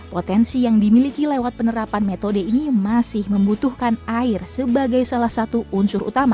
potensi yang dimiliki lewat penerapan metode ini masih membutuhkan air sebagai salah satu unsur utama